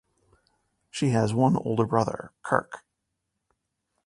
She has one older brother, Kirk.